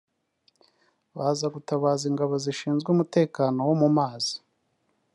baza gutabaza ingabo zishinzwe umutekano wo mu mazi